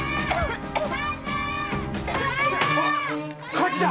火事だ‼